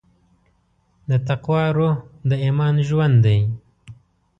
د تقوی روح د ایمان ژوند دی.